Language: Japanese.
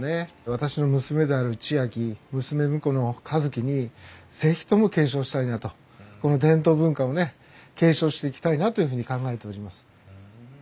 私の娘である知亜季娘婿の一樹に是非とも継承したいなとこの伝統文化をね継承していきたいなというふうに考えております。